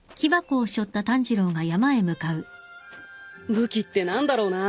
武器って何だろうな。